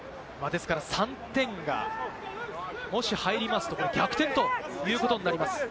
３点がもし入りますと、逆転ということになります。